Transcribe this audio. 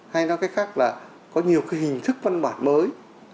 hay nói cách khác là có nhiều cái hình thức văn bản mới